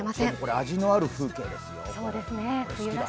味のある風景ですよ。